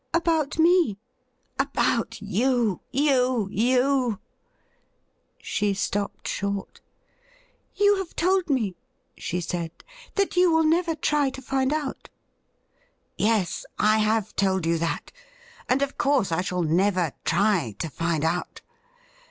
' About me ?'' About you — you — ^you !' She stopped short. ' You have told me,' she said, ' that you will never try to find out.' ' Yes, I have told you that, and of course I shall never try to find out.